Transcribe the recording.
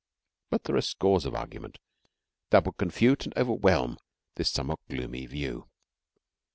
But there are scores of arguments that would confute and overwhelm this somewhat gloomy view.